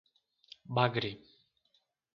Bagre